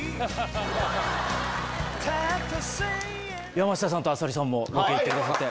山下さんと浅利さんもロケ行ってくださって。